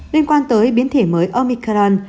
liên quan tới biến thể mới omicron